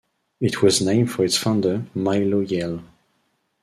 It was named for its founder, Milo Yale.